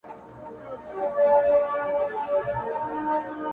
په دغه خپل وطن كي خپل ورورك,